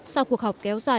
sau cuộc họp kéo dài hai ngày